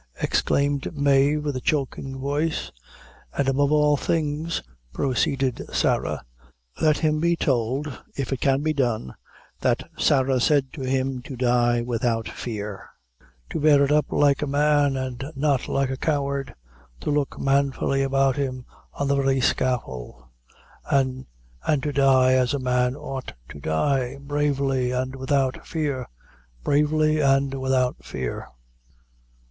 exclaimed Mave, with a choking voice. "An' above all things," proceeded Sarah, "let him be told, if it can be done, that Sarah said to him to die without fear to bear it up like a man, an' not like a coward to look manfully about him on the very scaffold an' an' to die as a man ought to die bravely an' without fear bravely an' without fear!"